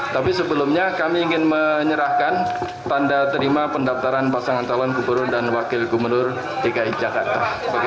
tapi sebelumnya kami ingin menyerahkan tanda terima pendaftaran pasangan calon gubernur dan wakil gubernur dki jakarta